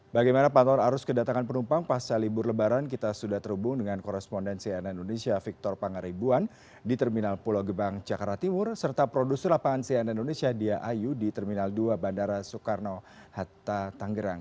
bagaimana pantor arus kedatangan penumpang pasca libur lebaran kita sudah terhubung dengan korespondensi nn indonesia victor pangaribuan di terminal pulau gebang jakarta timur serta produser lapangan cnn indonesia dia ayu di terminal dua bandara soekarno hatta tanggerang